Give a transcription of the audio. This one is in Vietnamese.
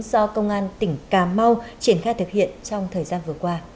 do công an tỉnh cà mau triển khai thực hiện trong thời gian vừa qua